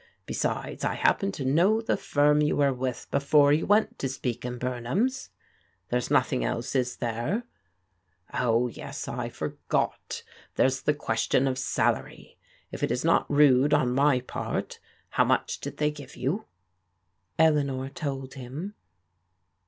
Besides, I happen to know the firm you were with before you went to Speke and Bumham's. There is nothing dse, is there? Oh, yes, I forgot ; there's Ae question of salary. If it is not rude on my part, how much did they give you? " Eleanor told him.